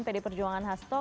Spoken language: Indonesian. pd perjuangan hasto